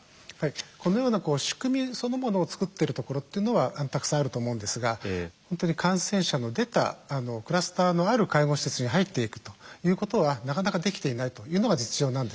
このような仕組みそのものを作ってるところっていうのはたくさんあると思うんですが本当に感染者の出たクラスターのある介護施設に入っていくということはなかなかできていないというのが実情なんですね。